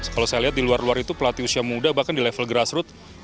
kalau saya lihat di luar luar itu pelatih usia muda bahkan di level grassroot